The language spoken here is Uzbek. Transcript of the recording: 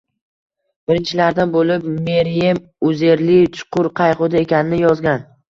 Birinchilardan bo‘lib Meryem Uzerli chuqur qayg‘uda ekanini yozgan